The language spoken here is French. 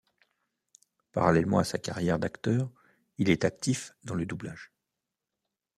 Parallèlement à sa carrière d'acteur, il est actif dans le doublage.